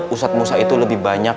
pusat musa itu lebih banyak